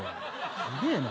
すげぇな。